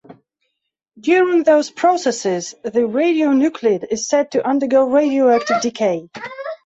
During those processes, the radionuclide is said to undergo radioactive decay.